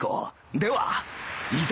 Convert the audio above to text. ではいざ！